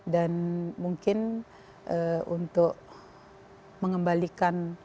dan mungkin untuk mengembalikan